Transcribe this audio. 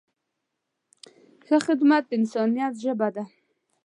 ښه خدمت د انسانیت ژبه ده.